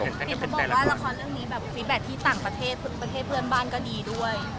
คุณบอกว่าละครเรื่องนี้ฟีดแบตที่ต่างประเทศเต่าใครบ้านก็ดีด้วย